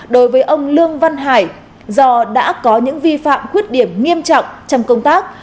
đối với ông lương văn hải do đã có những vi phạm khuyết điểm nghiêm trọng trong công tác